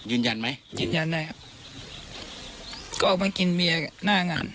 ยืนยันไหมยืนยันได้ครับก็ออกมากินเบียร์หน้างาน